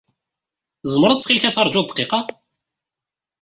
Tzemreḍ ttxil-k ad taṛǧuḍ dqiqa?